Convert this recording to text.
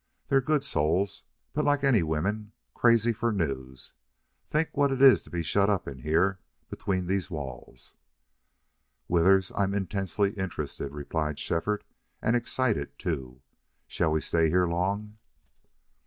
They're good souls, but, like any women, crazy for news. Think what it is to be shut up in here between these walls!" "Withers, I'm intensely interested," replied Shefford, "and excited, too. Shall we stay here long?"